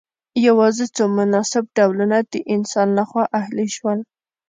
یوازې څو مناسب ډولونه د انسان لخوا اهلي شول.